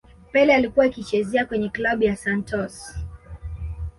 pele alikuwa akiichezea kwenye klabu ya santos